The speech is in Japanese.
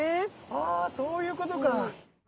あそういうことか。